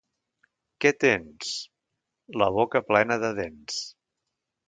Què tens? —La boca plena de dents.